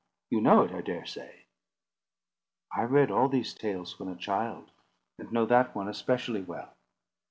You know it, I dare say." "I read all these tales when a child, and know that one especially well."